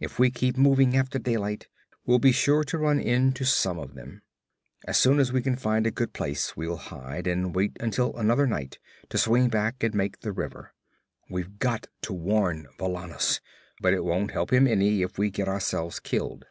If we keep moving after daylight, we'll be sure to run into some of them. As soon as we find a good place we'll hide and wait until another night to swing back and make the river. We've got to warn Valannus, but it won't help him any if we get ourselves killed.'